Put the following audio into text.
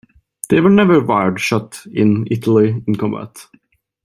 They were never wired shut in Italy in combat.